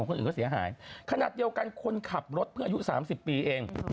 เหมือนกับเอ่อท่อไอเสีย